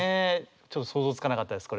ちょっと想像つかなかったです